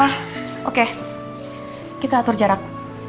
ah oke kita atur jarak